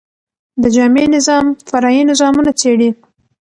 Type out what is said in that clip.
د جامع نظام، فرعي نظامونه څيړي.